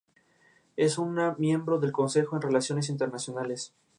Describe contenido educativo como páginas de información, ejemplos, y problemas.